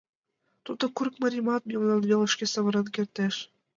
Тудо курыкмарийымат мемнан велышке савырен кертеш.